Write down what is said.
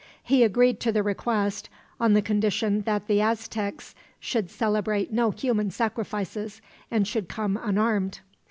He agreed to the request, on the condition that the Aztecs should celebrate no human sacrifices, and should come unarmed.